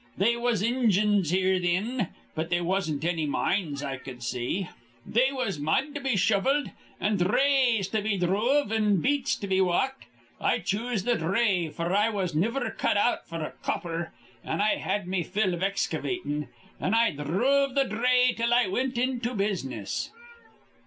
They was Injuns here thin. But they wasn't anny mines I cud see. They was mud to be shovelled an' dhrays to be dhruv an' beats to be walked. I choose th' dhray; f'r I was niver cut out f'r a copper, an' I'd had me fill iv excavatin'. An' I dhruv th' dhray till I wint into business.